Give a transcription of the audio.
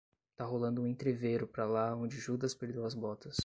Tá rolando um entrevero pra lá onde Judas perdeu as botas